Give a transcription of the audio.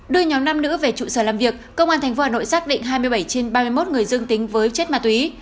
đưa nhóm nam nữ về trụ sở làm việc công an tp hà nội xác định hai mươi bảy trên ba mươi một người dương tính với chất ma túy